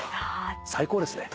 最高ですね。